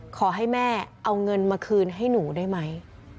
ขอให้แม่เอาเงินมาคืนให้หนูได้ไหม